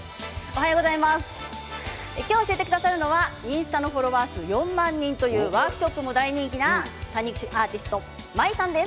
今日教えてくださるのはインスタのフォロワーが４万人というワークショップも大人気な多肉アーティストＭＡｉさんです。